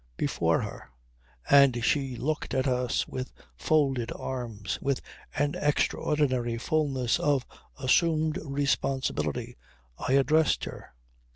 Before her. And she looked at us with folded arms, with an extraordinary fulness of assumed responsibility. I addressed her.